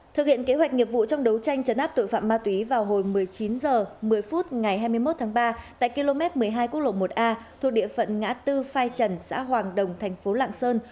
thực hiện kế hoạch nghiệp vụ trong đấu tranh chấn áp tội phạm ma túy vào hồi một mươi chín h một mươi phút ngày hai mươi một tháng ba tại km một mươi hai quốc lộ một a thuộc địa phận ngã tư phai trần xã hoàng đồng thành phố lạng sơn